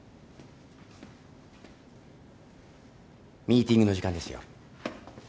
・ミーティングの時間ですよ。